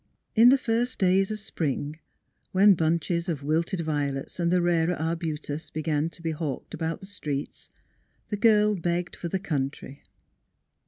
In the first days of spring, when bunches of wilted violets and the rarer arbutus began to be hawked about the streets the girl begged for the country.